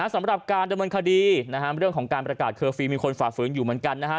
สำหรับการดำเนินคดีนะฮะเรื่องของการประกาศเคอร์ฟีลมีคนฝ่าฝืนอยู่เหมือนกันนะฮะ